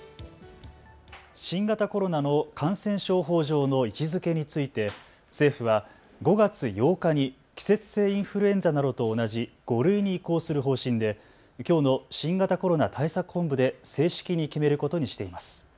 新型コロナの感染症法上の位置づけについて政府は５月８日に季節性インフルエンザなどと同じ５類に移行する方針できょうの新型コロナ対策本部で正式に決めることにしています。